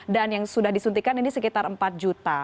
dan yang sudah disuntikan ini sekitar empat juta